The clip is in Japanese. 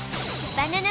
バナナ！